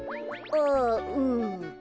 ああうん。